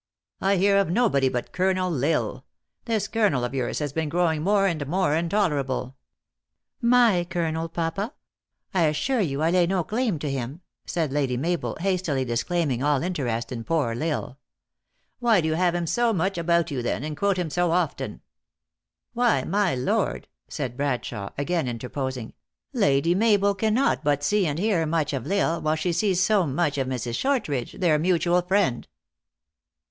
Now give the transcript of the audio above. " I hear of nobody but Colonel L Isle. This Colonel of yours has been grow ing more and more intolerable " My Colonel, papa ? I assure you I lay no claim to him," said Lady Mabel, hastily disclaiming all in terest in poor L Isle. " Why do you have him so much about you, then, and quote him so often?" 338 THE ACTRESS IN HIGH LIFE. " Why, my lord," said Bradshawe, again interpos ing, " Lady Mabel cannot but see and hear much of L Isle, while she sees so much of Mrs. Shortridge, their mutual friend."